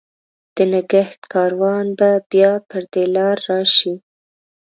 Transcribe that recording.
د نګهت کاروان به بیا پر دې لار، راشي